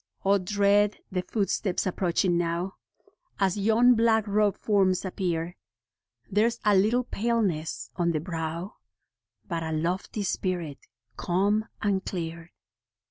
O, dread the footsteps approaching now, As yon black robed forms appear : There's a little paleness on the brow, But a lofty spirit, calm and clear.